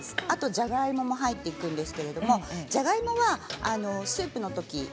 あと、じゃがいもも入っていくんですけどじゃがいもはスープのとき